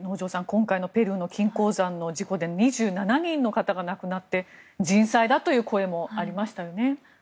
今回のペルーの金鉱山の事故で２７人の方が亡くなって人災だという声もありましたよね。